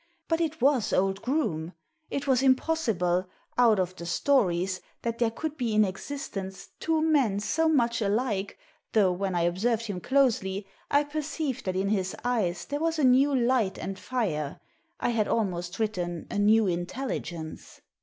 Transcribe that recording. But it was old Groome. It was impossible — out of the stories — that there could be in existence two men so much alike, though when I observed him closely I per ceived that in his eyes there was a new light and fire — I had almost written a new intelligence.